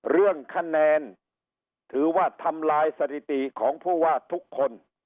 เรื่องคะแนนถือว่าทำลายสถิติของผู้ว่าทุกคน